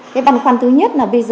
cái băn khoan thứ nhất là bây giờ